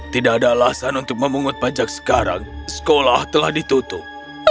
tidak ada alasan untuk memungut pajak sekarang sekolah telah ditutup